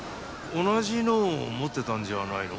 同じのを持ってたんじゃないの？